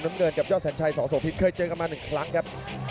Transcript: กระโดยสิ้งเล็กนี่ออกกันขาสันเหมือนกันครับ